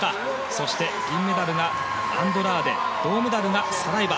そして銀メダルがアンドラーデ銅メダルがサライバ。